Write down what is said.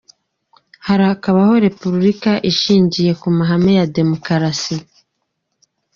Harakabaho Repubulika ishingiye ku mahame ya Demokarasi